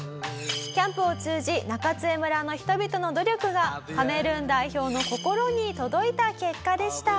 キャンプを通じ中津江村の人々の努力がカメルーン代表の心に届いた結果でした。